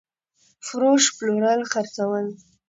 فروش √ پلورل خرڅول